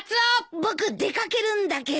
僕出掛けるんだけど。